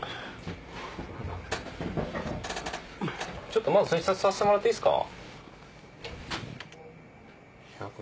ちょっとまず診察させてもらっていいですか。